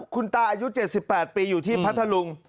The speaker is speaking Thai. คุณตาอายุ๗๘ปีอยู่ที่พัทธลุง